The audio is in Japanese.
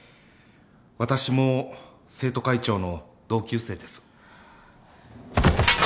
私も生徒会長の同級生です。